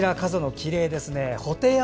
きれいですね。